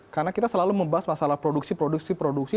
karena kita selalu membahas masalah produksi produksi produksi